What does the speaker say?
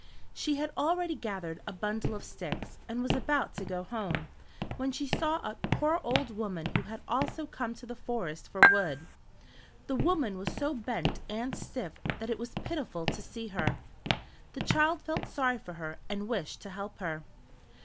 She had already gathered a bundle of sticks, and was about to go home, when she saw a poor old woman who had also come to the forest for wood. The woman was so bent and stiff that it was pitiful to see her. The child felt sorry for her and wished to help her.